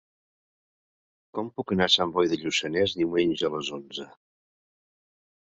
Com puc anar a Sant Boi de Lluçanès diumenge a les onze?